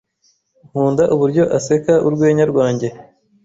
Nkunda uburyo aseka urwenya rwanjye.